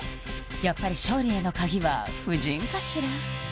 やっぱり勝利への鍵は夫人かしら？